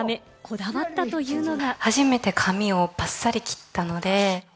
役作りのため、こだわったというのが。